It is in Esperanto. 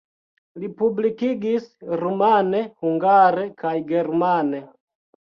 Li publikis rumane, hungare kaj germane.